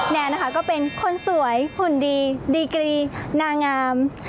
แนนนะคะก็เป็นคนสวยหุ่นดีดีกรีนางงาม